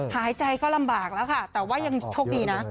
หายใจก็ลำบากแล้วค่ะแต่ว่ายังโชคดีนะ